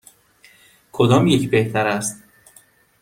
کدام یک بهتر است؟